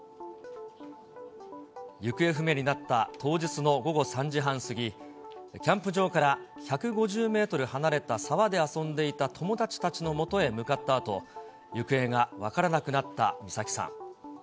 行方不明になった当日の午後３時半過ぎ、キャンプ場から１５０メートル離れた沢で遊んでいた友達たちのもとへ向かったあと、行方が分からなくなった美咲さん。